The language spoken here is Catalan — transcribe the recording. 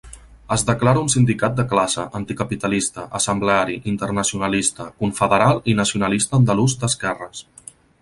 Es declara un sindicat de classe, anticapitalista, assembleari, internacionalista, confederal i nacionalista andalús d'esquerres.